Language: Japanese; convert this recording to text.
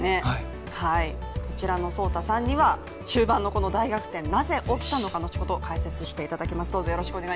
こちらの草太さんには終盤の大逆転なぜ起きたのか後ほど解説していただきます。